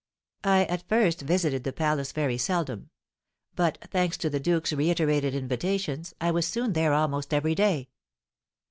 I at first visited the palace very seldom; but, thanks to the duke's reiterated invitations, I was soon there almost every day.